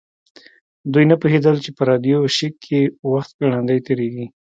دوی نه پوهیدل چې په راډیو شیک کې وخت ګړندی تیریږي